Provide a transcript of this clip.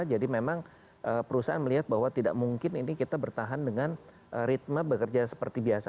jadi memang perusahaan melihat bahwa tidak mungkin ini kita bertahan dengan ritme bekerja seperti biasa